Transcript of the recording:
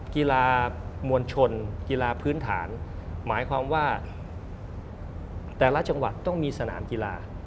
กีฬามวลชนกีฬาพื้นฐานหมายความว่าแต่ละจังหวัดต้องมีสนามกีฬา